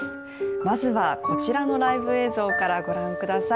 まずはこちらのライブ映像からご覧ください。